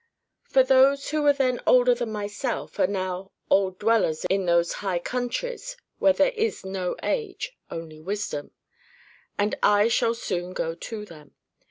For those who were then older than myself are now "old dwellers in those high countries" where there is no age, only wisdom; and I shall soon go to them.